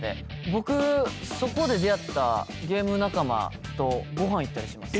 僕そこで出会ったゲーム仲間とご飯行ったりします。